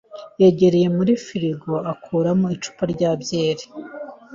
yageze muri firigo akuramo icupa rya byeri.